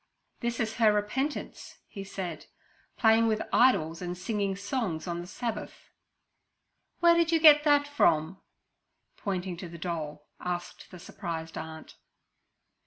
'This is her repentance' he said, 'playing with idols and singing songs on the Sabbath.' 'Where did you get that from?' pointing to the doll, asked the surprised aunt.